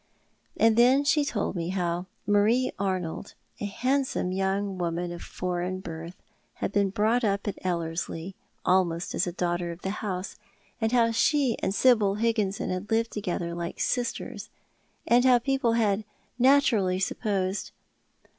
And then she told me how Marie Arnold, a handsome young woman of foreign birth, had been brought up at Ellcrslie, almost as a daughter of the house, and how she and Sibyl Higginson had lived together like sisters, and how people had naturally supposed